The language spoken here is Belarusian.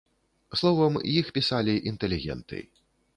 Словам, іх пісалі інтэлігенты.